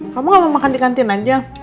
kamu gak mau makan di kantin aja